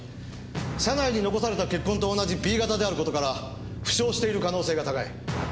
車内に残された血痕と同じＢ型である事から負傷している可能性が高い。